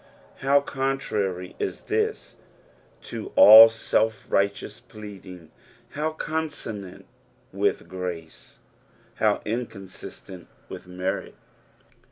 Ilow contrary is this to ell self righteous pleading '. How consonant with grace 1 How inconsistent witli merit